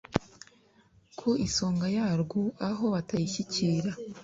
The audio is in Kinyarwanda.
ku isonga yarwo aho batayishyikira